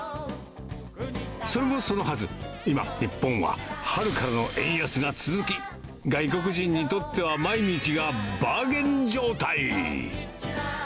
それもそのはず、今、日本は春からの円安が続き、外国人にとっては毎日がバーゲン状態。